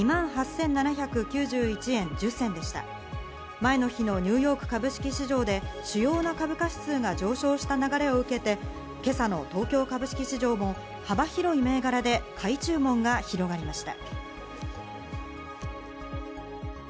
前の日のニューヨーク株式市場で主要な株価指数が上昇した流れを受けて、今朝の東京株式市場も幅広い銘柄で買い注文が広がりました。